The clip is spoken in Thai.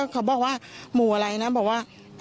อะไรก็บอกว่าหมู่อะไรนะบอกว่า